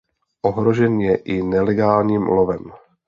Ohrožen je i nelegálním lovem.